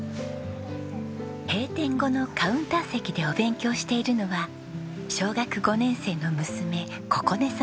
閉店後のカウンター席でお勉強しているのは小学５年生の娘心音さんです。